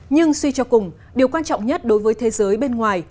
nhưng suy cho cùng điều quan trọng nhất đối với thế giới bên ngoài